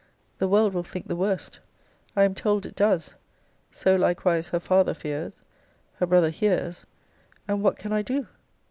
The world will think the worst. I am told it does. So likewise her father fears; her brother hears; and what can I do?